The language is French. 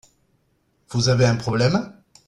Vous avez un problème ?